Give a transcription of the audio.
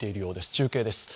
中継です。